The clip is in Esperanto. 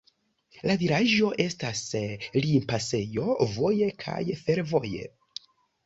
La vilaĝo estas limpasejo voje kaj fervoje.